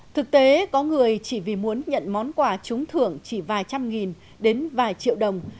thực tế có người chỉ vì muốn nhận món quà trúng thưởng chỉ vài trăm nghìn đến vài triệu đồng